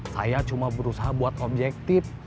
saya cuma berusaha buat objektif